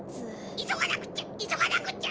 いそがなくっちゃいそがなくっちゃ！